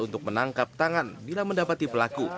untuk menangkap tangan bila mendapati pelaku